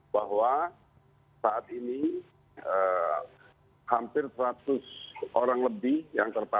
bahwa saat ini hampir seratus orang lebih yang terpapar